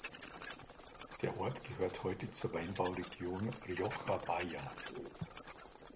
Der Ort gehört heute zur Weinbauregion "Rioja Baja".